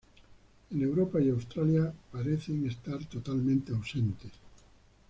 En Europa y Australia parecen estar totalmente ausentes.